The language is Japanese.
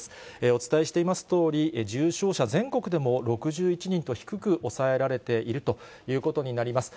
お伝えしていますとおり、重症者、全国でも６１人と、低く抑えられているということになります。